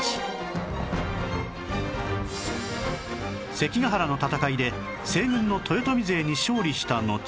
関ヶ原の戦いで西軍の豊臣勢に勝利したのち